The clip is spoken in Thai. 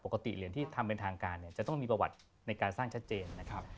เหรียญที่ทำเป็นทางการเนี่ยจะต้องมีประวัติในการสร้างชัดเจนนะครับ